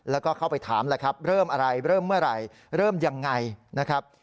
แล้วก็เข้าไปถามแล้วครับเริ่มอะไรเริ่มเมื่อไหร่เริ่มยังไงนะครับ